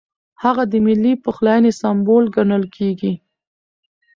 هغه د ملي پخلاینې سمبول ګڼل کېږي.